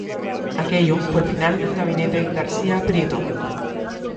Aquello fue el final del gabinete García Prieto.